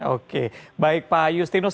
oke baik pak yustinus